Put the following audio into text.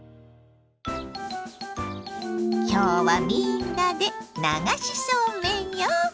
今日はみんなで流しそうめんよ！